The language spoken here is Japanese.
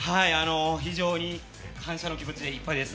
非常に感謝の気持ちでいっぱいです。